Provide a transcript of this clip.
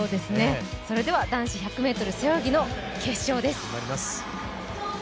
それでは男子１００ｍ背泳ぎの決勝です。